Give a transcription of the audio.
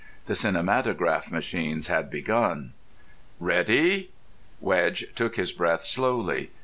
The cinematograph machines had begun. "Ready?" Wedge took his breath slowly.